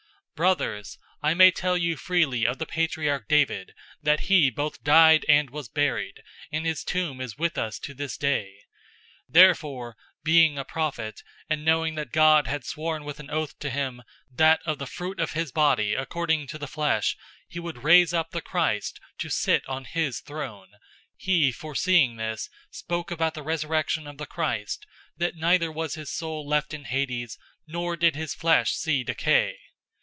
'{Psalm 16:8 11} 002:029 "Brothers, I may tell you freely of the patriarch David, that he both died and was buried, and his tomb is with us to this day. 002:030 Therefore, being a prophet, and knowing that God had sworn with an oath to him that of the fruit of his body, according to the flesh, he would raise up the Christ to sit on his throne, 002:031 he foreseeing this spoke about the resurrection of the Christ, that neither was his soul left in Hades{or, Hell}, nor did his flesh see decay.